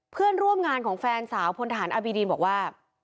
เพื่อนร่วมงานของแฟนสาวพลทหารอบีดีนบอกว่า